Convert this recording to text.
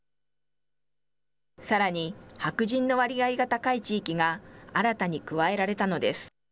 さらに白人の割合が高い地域が新たに加えられたのです。